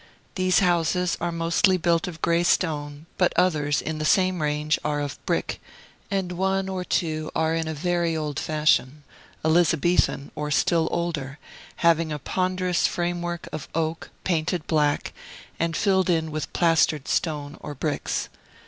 These houses are mostly built of gray stone; but others, in the same range, are of brick, and one or two are in a very old fashion, Elizabethan, or still older, having a ponderous framework of oak, painted black, and filled in with plastered stone or bricks.